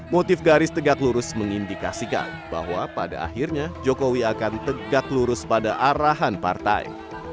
motif garis tegak lurus mengindikasikan bahwa pada akhirnya jokowi akan tegak lurus pada arahan partai